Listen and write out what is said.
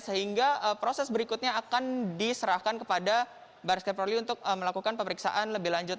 sehingga proses berikutnya akan diserahkan kepada baris krim polri untuk melakukan pemeriksaan lebih lanjut